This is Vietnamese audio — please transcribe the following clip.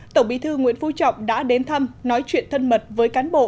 tổng bí thư nguyễn phú trọng đã đến thăm nói chuyện thân mật với cán bộ